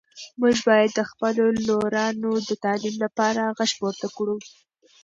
موږ باید د خپلو لورانو د تعلیم لپاره غږ پورته کړو.